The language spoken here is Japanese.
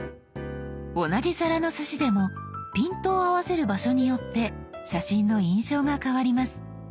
同じ皿のすしでもピントを合わせる場所によって写真の印象が変わります。